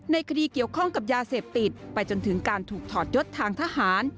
ในคดีเกี่ยวข้องกับยาเสพติดไปจนถึงการถูกถอดยศทางทหาร